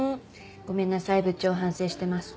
ごめんなさい部長反省してます。